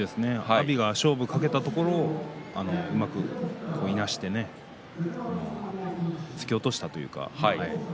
阿炎が勝負をかけたところをうまくいなして突き落としたというか。